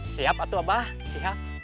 siap atu abah siap